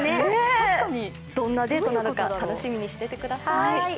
どんなデートなのか、楽しみにしていてください。